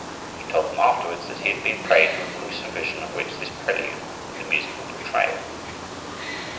He told them afterward that he had been a prey to a gruesome vision of which this prelude is the musical portrayal.